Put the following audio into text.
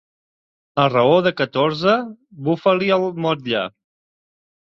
A raó de catorze, bufa-li el motlle.